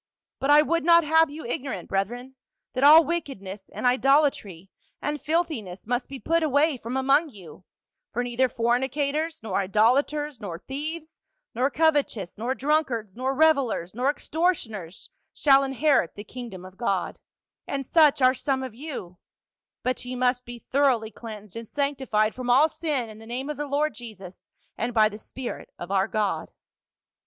But I would not have you ignorant, brethren, that all wickedness and idolatry and filthiness must be put away from among you ; for neither fornicators, nor A BOATMAN OF ANTTOCH. 239 idolaters, nor thieves, nor covetous, nor drunkards, nor revilers, nor extortioners shall inherit the king dom of God, and such are some of you ; but ye must be thoroughly cleansed and sanctified from all sin in the name of the Lord Jesus, and by the spirit of our God."